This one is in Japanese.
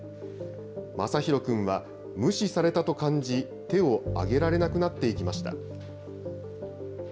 まさひろ君は無視されたと感じ、手を挙げられなくなっていきました。